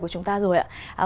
của chúng ta rồi ạ